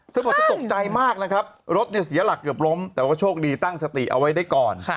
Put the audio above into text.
เธอบอกเธอตกใจมากนะครับรถเนี่ยเสียหลักเกือบล้มแต่ว่าโชคดีตั้งสติเอาไว้ได้ก่อน